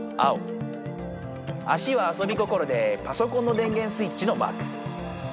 足はあそび心でパソコンの電源スイッチのマーク。